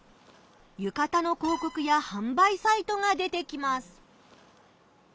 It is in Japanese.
ゆかたの広告や販売サイトが出てきます。